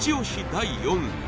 第４位